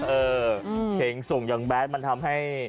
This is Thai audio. เออเพลงสูงอย่างแบดมันทำให้